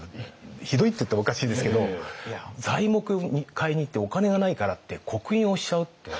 ひどいって言ったらおかしいですけど材木買いに行ってお金がないからって刻印押しちゃうって。